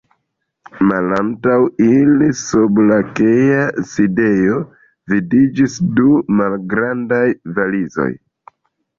Malantaŭ ili, sub lakea sidejo vidiĝis du malgrandaj valizoj.